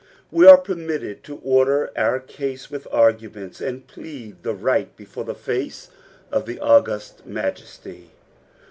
We ore permitted to oraer our case with arguments, and plead the right before the fuce of the august Majesty.